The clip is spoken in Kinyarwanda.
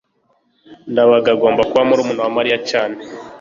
ndabaga agomba kuba murumuna wa mariya cyane